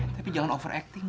tapi jangan over acting